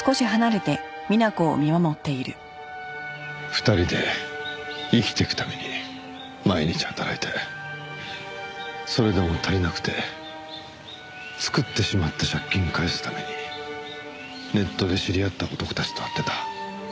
２人で生きていくために毎日働いてそれでも足りなくて作ってしまった借金を返すためにネットで知り合った男たちと会ってた。